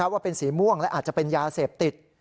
ว่าเป็นสีม่วงและอาจจะเป็นยาเสพติด